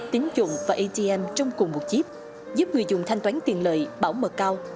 tính dụng và atm trong cùng một chip giúp người dùng thanh toán tiền lợi bảo mật cao